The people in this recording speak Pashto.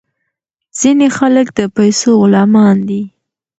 ځینې خلک د پیسو غلامان دي.